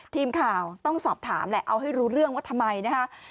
ทีมข่าวต้องสอบถามแหละเอาให้รู้เรื่องว่าทำไมนะฮะ